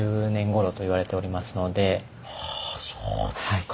はぁそうですか。